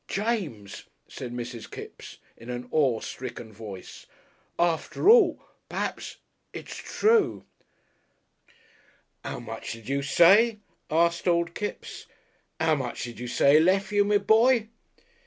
"James," said Mrs. Kipps, in an awestricken voice, "after all perhaps it's true!" "'Ow much did you say?" asked Old Kipps. "'Ow much did you say 'ed lef' you, me b'y?"